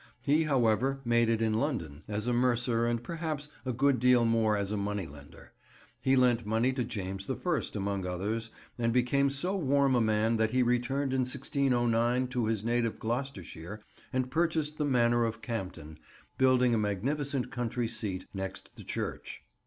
He, however, made it in London, as a mercer and perhaps a good deal more as a moneylender. He lent money to James the First among others, and became so warm a man that he returned in 1609 to his native Gloucestershire and purchased the manor of Campden, building a magnificent country seat next the church.